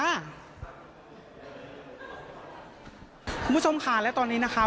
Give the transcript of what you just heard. คุณผู้ชมค่ะและตอนนี้นะคะ